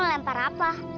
bakal melempar apa